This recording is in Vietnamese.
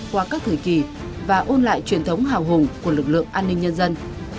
qua các thời kỳ và ôn lại truyền thống hào hùng của lực lượng an ninh nhân dân